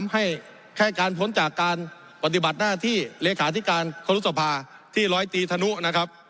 ให้แค่การพ้นจากการปฏิบัติหน้าที่เลขาธิการครุษภาที่ร้อยตีธนุนะครับ